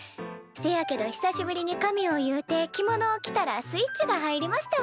せやけど久しぶりに髪を結うて着物を着たらスイッチが入りましたわ。